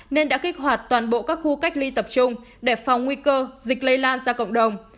nên đã kích hoạt toàn bộ các khu cách ly tập trung để phòng nguy cơ dịch lây lan ra cộng đồng